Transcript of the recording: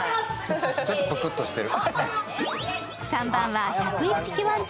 ちょっとプクッとしてる。